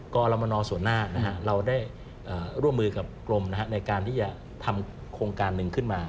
กรมนส่วนหน้าเราได้ร่วมมือกับกรมในการที่จะทำโครงการหนึ่งขึ้นมา